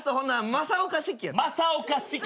正岡子規？